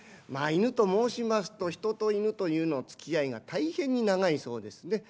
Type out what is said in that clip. まあ犬と申しますと人と犬というのつきあいが大変に長いそうですね。